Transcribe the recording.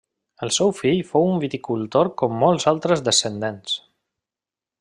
El seu fill fou un viticultor com molts altres descendents.